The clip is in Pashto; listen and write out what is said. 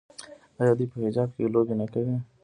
آیا دوی په حجاب کې لوبې نه کوي؟